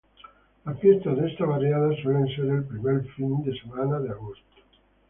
Las fiestas de esta barriada suelen ser el primer fin de semana de agosto.